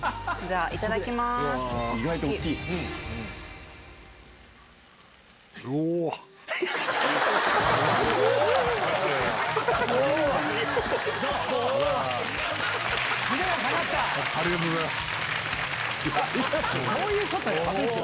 ありがとうございます。